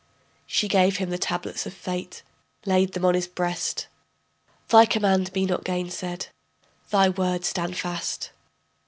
She gave him the tablets of fate, laid them on his breast. Thy command be not gainsaid, thy word stand fast.